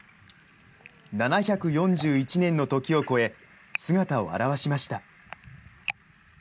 ７４１年の時を超え、姿を現しました。